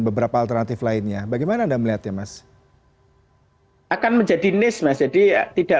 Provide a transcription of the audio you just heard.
beberapa alternatif lainnya bagaimana anda melihatnya mas akan menjadi nis mas jadi tidak